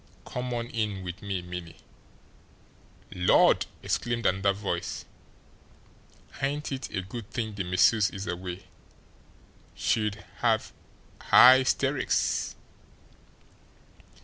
Come on in with me, Minnie." "Lord!" exclaimed another voice. "Ain't it a good thing the missus is away. She'd have highsteericks!"